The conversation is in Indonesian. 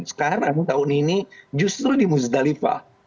sekarang tahun ini justru di muzdalifah